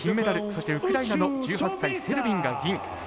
そしてウクライナの１８歳セルビンが銀。